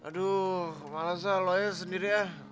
aduh malesnya lo aja sendiri ya